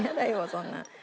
そんな。